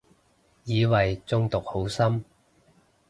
以為中毒好深